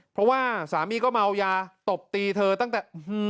เพราะว่าสามีก็เมายาตบตีเธอตั้งแต่